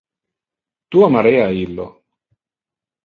Tu amarea illo.